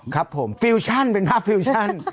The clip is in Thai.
ครับผมฟิวชั่นเป็นภาพฟิวชั่น